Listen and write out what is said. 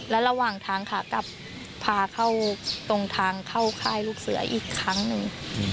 และระหว่างทางขากลับพาเข้าตรงทางเข้าค่ายลูกเสืออีกครั้งหนึ่ง